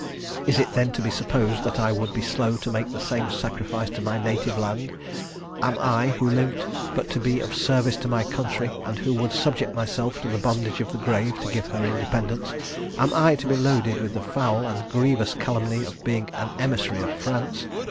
Is it, then, to be supposed, that I would be slow to make the same sacrifice to my native land? Am I, who lived but to be of service to my country, and who would subject myself to the bondage of the grave to give her independence am I to be loaded with the foul and grievous calumny of being an emissary of France?